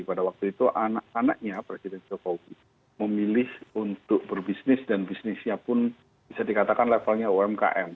pada waktu itu anak anaknya presiden jokowi memilih untuk berbisnis dan bisnisnya pun bisa dikatakan levelnya umkm